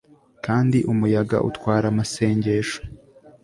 kandi umuyaga utwara amasengesho